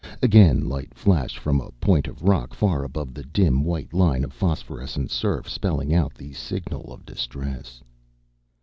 Again light flashed from a point of rock far above the dim white line of phosphorescent surf, spelling out the signal of distress.